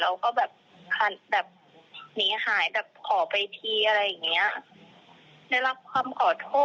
เราก็แบบหนีหายแบบขอไปทีอะไรอย่างเงี้ยได้รับคำขอโทษ